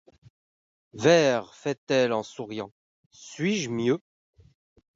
Vère, feit-elle en soubriant, suis-je mieulx?